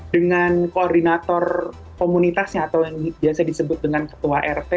dengan koordinator komunitasnya atau yang biasa disebut dengan ketua rt